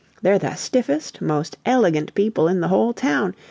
They're the stiffist, most elegant people in the whole town.